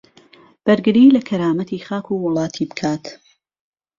بەرگری لە کەرامەتی خاک و وڵاتی بکات